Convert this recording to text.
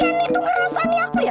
itu ngerasa nih aku ya